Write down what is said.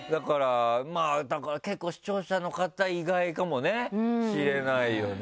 だから結構視聴者の方意外かもしれないよね。